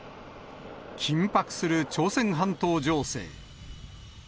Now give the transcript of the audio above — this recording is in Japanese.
緊迫する朝鮮半島情勢。